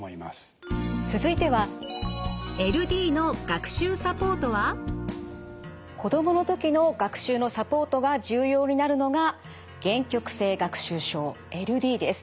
続いては子どもの時の学習のサポートが重要になるのが限局性学習症ＬＤです。